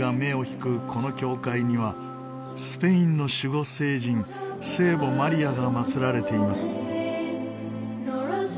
この教会にはスペインの守護聖人聖母マリアが祭られています。